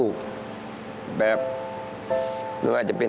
เข้าใจ